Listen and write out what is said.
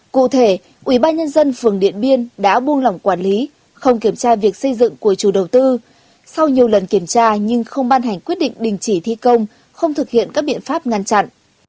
cụ thể ubnd phường điện biên đã buông lỏng quản lý không kiểm tra việc xây dựng của chủ đầu tư sau nhiều lần kiểm tra nhưng không ban hành quyết định đình chỉ thi công không thực hiện các biện pháp ngăn chặn